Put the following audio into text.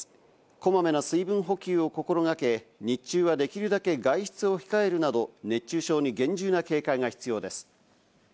こまめな水分補給を心掛け、日中はできるだけ外出を控えるなど、熱中症に厳重な警戒が必要です。